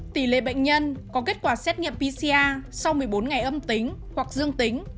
tỷ lệ bệnh nhân có kết quả xét nghiệm pcr sau một mươi bốn ngày âm tính hoặc dương tính